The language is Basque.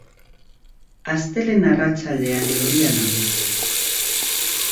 Astelehen arratsaldean euria nagusi.